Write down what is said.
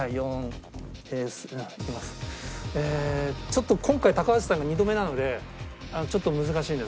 ちょっと今回高橋さんが２度目なのでちょっと難しいんです